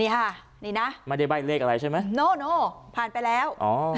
นี่ค่ะนี่น่ะไหมได้ใบ้เลขอะไรใช่มั้ยพันไปแล้วอ๋อ